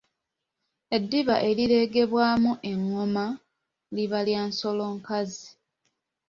Eddiba erireegebwamu engoma liba lya nsolo nkazi.